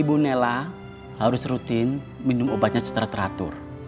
ibu nella harus rutin minum obatnya secara teratur